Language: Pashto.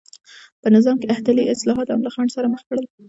په نظام کې احتلي اصلاحات هم له خنډ سره مخ کړل.